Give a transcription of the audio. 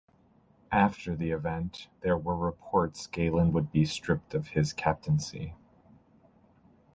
After the event, there were reports Gallen would be stripped of his captaincy.